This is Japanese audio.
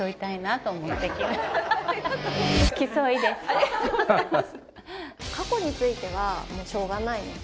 ありがとうございます。